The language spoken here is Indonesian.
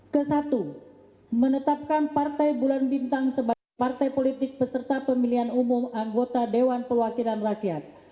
ke satu menetapkan partai bulan bintang sebagai partai politik peserta pemilihan umum anggota dewan perwakilan rakyat